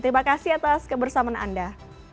terima kasih atas kebersamaan anda